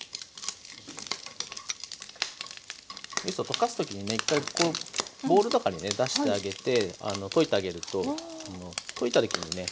みそ溶かす時にね１回こうボウルとかにね出してあげて溶いてあげると溶いた時にね